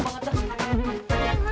waduh tega banget dah